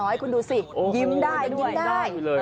ให้คุณดูสิยิ้มได้ยิ้มได้